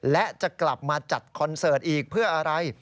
และจะกลับมาจัดคอนเสิร์ตอีกเพื่ออะไร